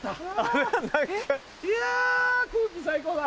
いや空気最高だ！